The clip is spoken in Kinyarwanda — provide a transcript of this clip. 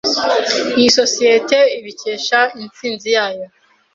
Iyi sosiyete ibikesha intsinzi yayo.